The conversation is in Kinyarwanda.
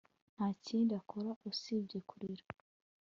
Nta kindi akora usibye kurira